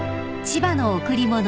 ［『千葉の贈り物』］